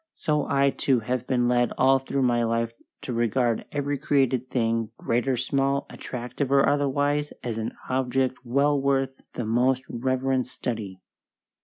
so I, too, have been led all through my life to regard every created thing, great or small, attractive or otherwise, as an object well worth the most reverent study.